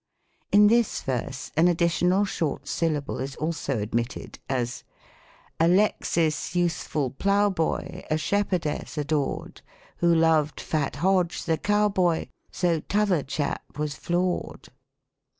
"' In this verse an additional short syllable is also admitted : as, " Alexis youthful plough b5y, A Shepherdess adored, Who loved fat Hodge, the cow boy, So t'other chap was floored."